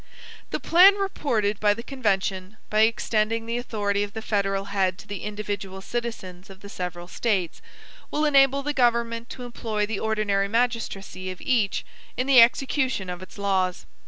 The plan reported by the convention, by extending the authority of the federal head to the individual citizens of the several States, will enable the government to employ the ordinary magistracy of each, in the execution of its laws.